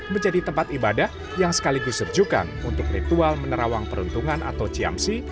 menjadi tempat ibadah yang sekaligus serjukan untuk ritual menerawang peruntungan atau ciamsi